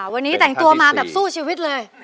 วันนี้แต่งตัวมาแบบสู้ชีวิตเลย